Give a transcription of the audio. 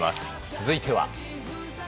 続いては。